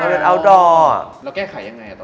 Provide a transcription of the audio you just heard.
แล้วแก้ไขยังไงตอนนั้น